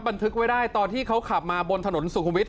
บันทึกไว้ได้ตอนที่เขาขับมาบนถนนสุขุมวิทย